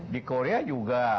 di korea juga